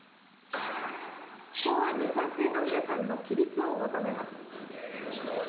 本案に賛成の皆さんの起立を求めます。